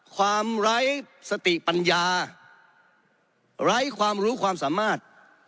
ไร้สติปัญญาไร้ความรู้ความสามารถ